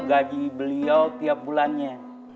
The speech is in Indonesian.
gaji beliau tiap bulannya